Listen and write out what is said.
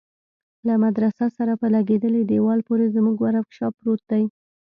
له مدرسه سره په لگېدلي دېوال پورې زموږ ورکشاپ پروت دى.